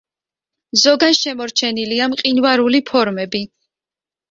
ზოგან შემორჩენილია მყინვარული ფორმები.